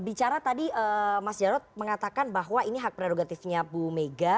bicara tadi mas jarod mengatakan bahwa ini hak prerogatifnya bu mega